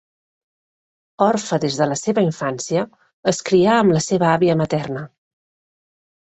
Orfe des de la seva infància, es crià amb la seva àvia materna.